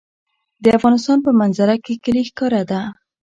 د افغانستان په منظره کې کلي ښکاره ده.